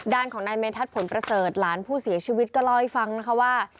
ด้านของนายเมธัศนผลประเสริฐหลานผู้เสียชีวิตก็เล่าให้ฟังนะคะว่า